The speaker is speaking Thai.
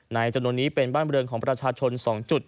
จำนวนนี้เป็นบ้านบริเวณของประชาชน๒จุด